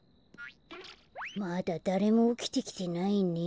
まだだれもおきてきてないね。